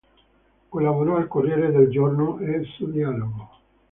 Collaborò al Corriere del Giorno e su Dialogo.